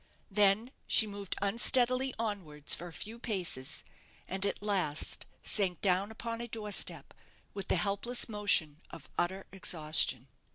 Then she moved unsteadily onwards for a few paces, and at last sank down upon a door step, with the helpless motion of utter exhaustion.